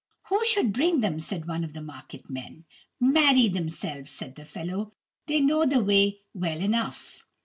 "Who should bring them?" said one of the market men. "Marry, themselves," said the fellow; "they know the way well enough."